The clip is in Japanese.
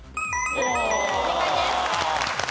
正解です。